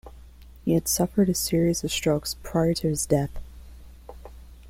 He had suffered a series of strokes prior to his death.